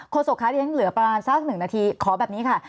คุณโศกคราชยังเหลือประมาณ๓๑นาทีขอแบบนี้ค่ะ